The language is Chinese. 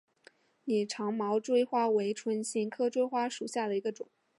拟长毛锥花为唇形科锥花属下的一个种。